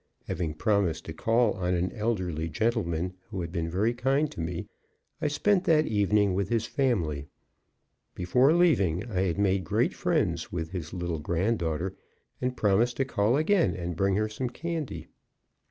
Having promised to call on an elderly gentleman who had been very kind to me, I spent that evening with his family. Before leaving I had made great friends with his little granddaughter, and promised to call again and bring her some candy.